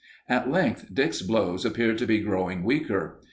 At length Dick's blows appeared to be growing weaker.